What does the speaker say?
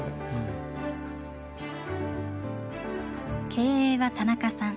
経営は田中さん。